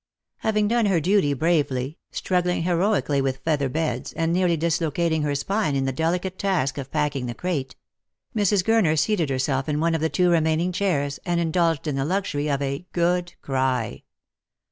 Having done her duty bravely — struggling heroically with feather beds, and nearly dislocating her spine in the delicate task of packing the crate — Mrs. Gurner seated herself in one of the two remaining chairs, and indulged in the luxury of a " good cry."